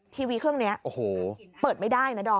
ทีวีเครื่องนี้โอ้โหเปิดไม่ได้นะดอม